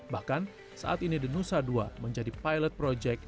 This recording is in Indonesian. bahkan saat ini denusa ii menjadi pilot project